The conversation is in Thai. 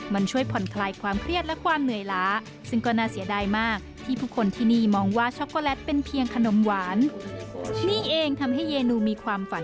มันช่วยทรยฝ่อนไครความเครียดและความเหนื่อยล่า